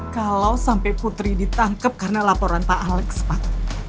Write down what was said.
kalau sampai putri ditangkap karena laporan pak alex pak